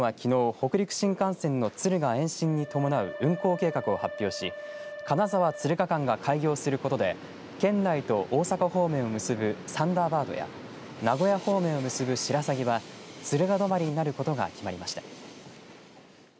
北陸新幹線の敦賀延伸に伴う運行計画を発表し金沢、敦賀間が開業することで県内と大阪方面を結ぶサンダーバードや名古屋方面を結ぶしらさぎは敦賀止まりになることが決まりました。